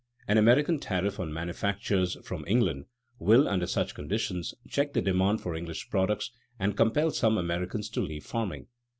An American tariff on manufactures from England will, under such conditions, check the demand for English products and compel some Americans to leave farming.